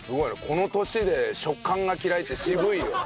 この年で「食感が嫌い」って渋いよ。